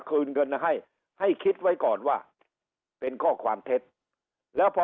คืนเงินให้ให้คิดไว้ก่อนว่าเป็นข้อความเท็จแล้วพอ